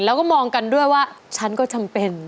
แล้วก็มองกันด้วยว่าฉันก็จำเป็น